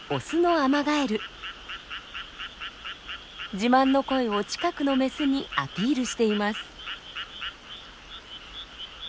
自慢の声を近くのメスにアピールしています。